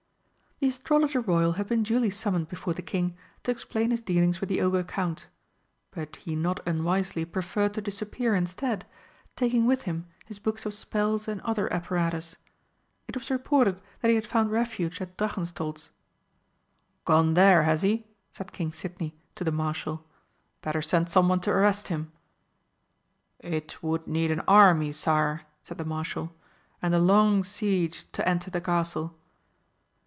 The Astrologer Royal had been duly summoned before the King to explain his dealings with the Ogre Count. But he not unwisely preferred to disappear instead, taking with him his books of spells and other apparatus. It was reported that he had found refuge at Drachenstolz. "Gone there, has he?" said King Sidney to the Marshal. "Better send someone to arrest him." "It would need an army, sire," said the Marshal, "and a long siege, to enter the Castle."